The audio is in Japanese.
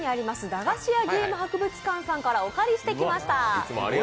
駄菓子屋ゲーム博物館さんからお借りしてきました。